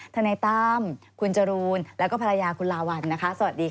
ทนายตั้มคุณจรูนแล้วก็ภรรยาคุณลาวัลนะคะสวัสดีค่ะ